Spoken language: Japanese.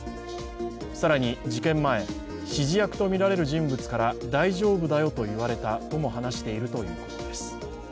更に事件前、指示役とみられる人物から大丈夫だよと言われたとも話しているということです。